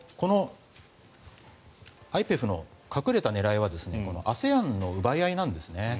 このＩＰＥＦの隠れた狙いはＡＳＥＡＮの奪い合いなんですね。